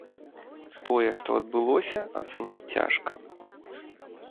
Тое, што адбылося, ацаніць цяжка.